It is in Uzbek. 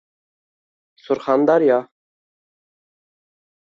Surxondaryo